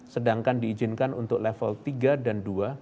sedangkan diizinkan untuk level tiga dan dua